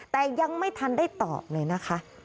แต่ยังไม่ทันได้ตอบเลยนะคะ